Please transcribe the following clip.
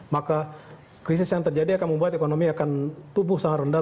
maka krisis yang terjadi akan membuat ekonomi akan tumbuh sangat rendah